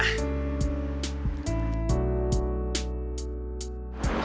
apakah diterima cinta saya apa tidak